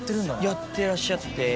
やってらっしゃって。